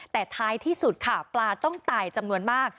แต่ท้ายที่สุดค่ะปลาต้องตายจำนวนมาก